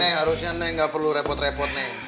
neng harusnya neng nggak perlu repot repot neng